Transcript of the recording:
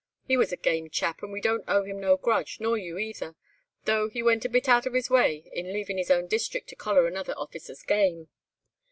He was a game chap, and we don't owe him no grudge, nor you either, though he went a bit out of his way in leavin' his own district to collar another officer's game.